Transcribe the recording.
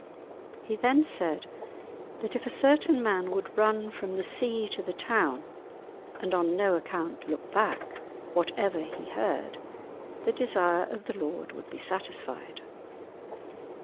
He then said that if a certain man would run from the sea to the town, and on no account look back, whatever he heard, the desire of the lord would be satisfied.